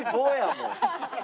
もう。